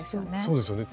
そうですよね。